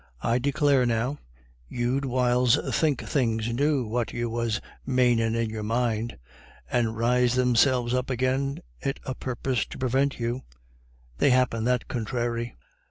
I declare, now, you'd whiles think things knew what you was manin' in your mind, and riz themselves up agin it a' purpose to prevint you, they happen that conthráry."